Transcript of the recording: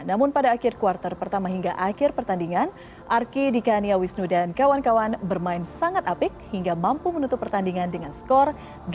namun pada akhir kuartal pertama hingga akhir pertandingan arki dikania wisnu dan kawan kawan bermain sangat apik hingga mampu menutup pertandingan dengan skor delapan puluh sembilan tujuh puluh empat